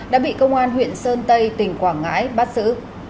đã bị công an huyện sơn tây tỉnh quảng ngãi bắt giữ